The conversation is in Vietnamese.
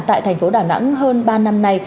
tại thành phố đà nẵng hơn ba năm nay